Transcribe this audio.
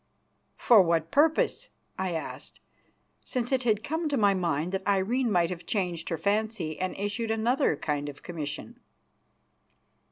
"For what purpose?" I asked, since it came to my mind that Irene might have changed her fancy and issued another kind of commission.